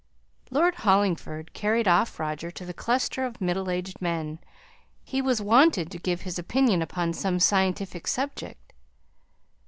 Lord Hollingford carried off Roger to the cluster of middle aged men; he was wanted to give his opinion upon some scientific subject.